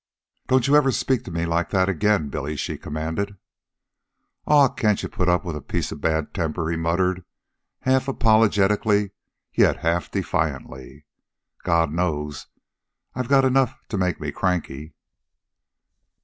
"Don't you ever speak to me like that again, Billy," she commanded. "Aw, can't you put up with a piece of bad temper?" he muttered, half apologetically, yet half defiantly. "God knows I got enough to make me cranky."